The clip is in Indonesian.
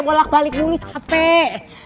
bolak balik mungi capek